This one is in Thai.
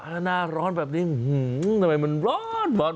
หน้าร้อนแบบนี้หื้อทำไมมันร้อนร้อนร้อนร้อน